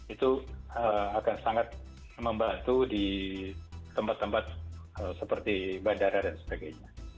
itu akan sangat membantu di tempat tempat seperti bandara dan sebagainya